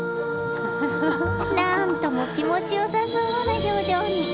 なんとも気持ちよさそうな表情に。